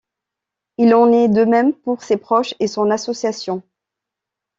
Il en est de même pour ses proches et son association.